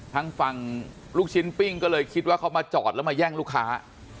ทางฝั่งลูกชิ้นปิ้งก็เลยคิดว่าเขามาจอดแล้วมาแย่งลูกค้า